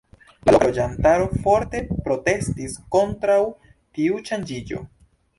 La loka loĝantaro forte protestis kontraŭ tiu ŝanĝiĝo.